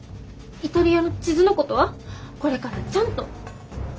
イタリアの地図のことはこれからちゃんと。